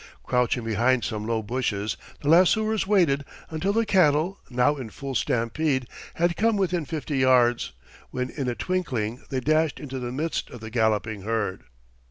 Crouching behind some low bushes the lassoers waited until the cattle, now in full stampede, had come within fifty yards, when in a twinkling they dashed into the midst of the galloping herd.